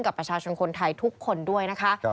กับประชาชนคนไทยทุกคนด้วยนะคะ